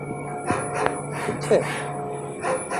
তোমার রক্তপাত হচ্ছে?